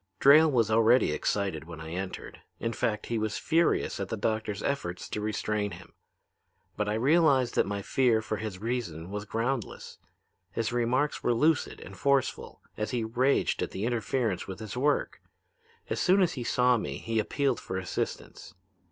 "Drayle was already excited when I entered. In fact, he was furious at the doctor's efforts to restrain him. But I realized that my fear for his reason was groundless. His remarks were lucid and forceful as he raged at the interference with his work. As soon as he saw me he appealed for assistance.